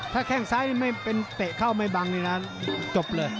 ถ้าแข้งซ้ายไม่เป็นเตะเข้าไม่บังนี่นะจบเลย